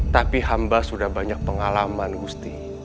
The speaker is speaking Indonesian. tapi hamba sudah banyak pengalaman gusti